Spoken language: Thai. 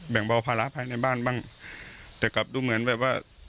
แบ่งเบาภาระภายในบ้านบ้างแต่กลับดูเหมือนแบบว่า